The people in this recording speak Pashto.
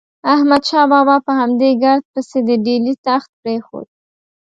احمد شاه بابا په همدې ګرد پسې د ډیلي تخت پرېښود.